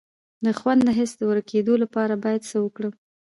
د خوند د حس د ورکیدو لپاره باید څه وکړم؟